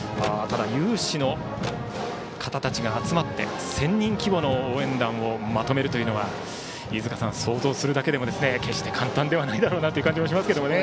有志の方たちが集まって１０００人規模の応援団をまとめるというのは飯塚さん、想像するだけでも決して簡単ではないだろうという気がしますね。